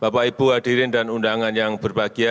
bapak ibu hadirin dan undangan yang berbahagia